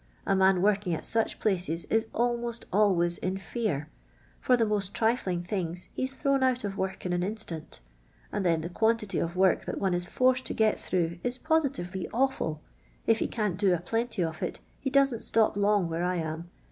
A man working at such places is almost always in fear ; for the most trifling things he*s thrown out of wotk in an instant. And then the quantity of work that one is forced to get tii rough is posi tively awful ; if he can't do a plenty of it, he don't stop long where I am.